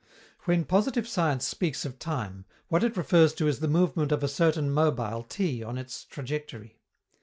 When positive science speaks of time, what it refers to is the movement of a certain mobile T on its trajectory.